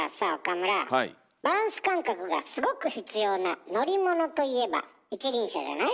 バランス感覚がすごく必要な乗り物といえば一輪車じゃない？